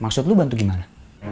maksud lo bantu gimana